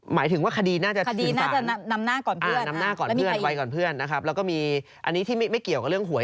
หมายถึงว่าคดีน่าจะถึงฝันอ่าไปก่อนเพื่อนนะครับแล้วก็มีอันนี้ที่ไม่เกี่ยวกับเรื่องหวย